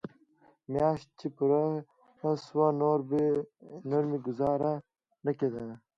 مياشت چې پوره سوه نور مې گوزاره نه کېده.